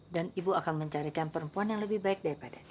dan ibu akan mencarikan perempuan yang lebih baik daripada dia